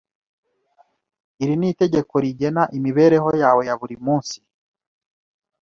Iri ni itegeko rigena imibereho yawe ya buri munsi